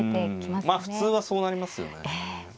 まあ普通はそうなりますよね。